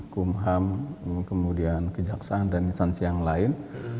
kumham kemudian kejaksaan dan instansi yang lain